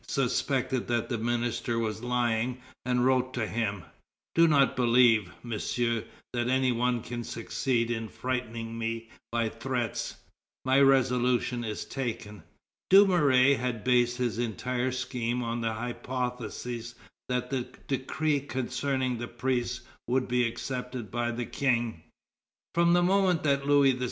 suspected that the minister was lying, and wrote to him: "Do not believe, Monsieur, that any one can succeed in frightening me by threats; my resolution is taken." Dumouriez had based his entire scheme on the hypothesis that the decree concerning the priests would be accepted by the King. From the moment that Louis XVI.